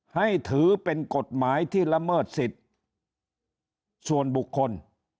ให้ถือเป็นกฎหมายที่ละเมิดสิทธิ์ส่วนบุคคล